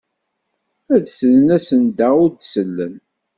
Ad d-slen asenda ur d-sellen.